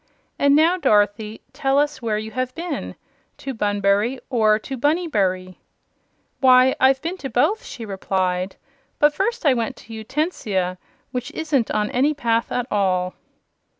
And now, Dorothy, tell us where you have been to Bunbury or to Bunnybury?" "Why, I've been to both," she replied; "but first I went to Utensia, which isn't on any path at all."